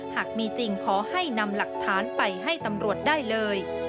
หากมีจริงขอให้นำหลักฐานไปให้ตำรวจได้เลย